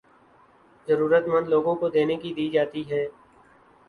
ضرورت مند لوگوں کو دینے کے دی جاتی ہیں